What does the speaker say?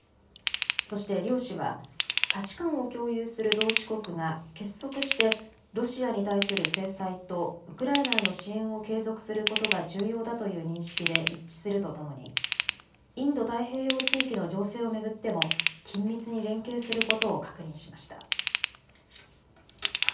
そして両氏は価値観を共有する同志国が結束してロシアに対する制裁とウクライナへの支援を継続することが重要だという認識で一致するとともにインド太平洋地域の情勢を巡っても緊密に連携することを確認しました。